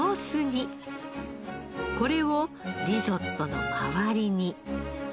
これをリゾットの周りに。